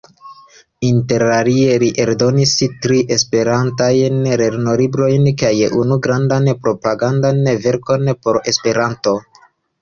Interalie li eldonis tri esperantajn lernolibrojn kaj unu grandan propagandan verkon por Esperanto.